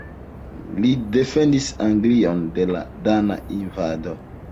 Li defendis Anglion de la dana invado.